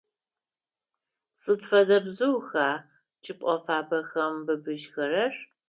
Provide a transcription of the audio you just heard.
Сыд фэдэ бзыуха чӏыпӏэ фабэхэм быбыжьыгъэхэр?